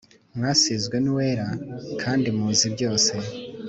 mwasizwe n'Uwera, kandi muzi byose.